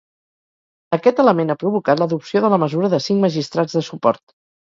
Aquest element ha provocat l'adopció de la mesura de cinc magistrats de suport.